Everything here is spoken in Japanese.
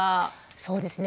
そうですね。